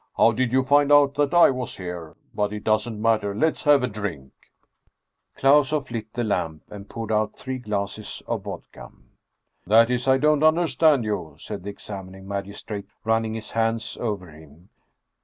How did you find out that I was here ? But it doesn't matter ! Let's have a drink !" Klausoff lit the lamp and poured out three glasses of vodka. " That is I don't understand you," said the examining magistrate, running his hands over him.